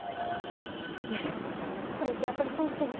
ねえこれってやっぱり損してる？